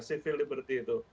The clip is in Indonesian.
tidak seperti itu